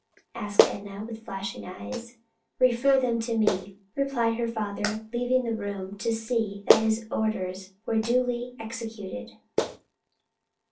asked Enna with flashing eyes. "Refer them to me," replied her father leaving the room to see that his orders were duly executed.